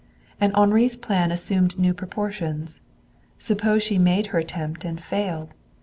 And Henri's plan assumed new proportions. Suppose she made her attempt and failed?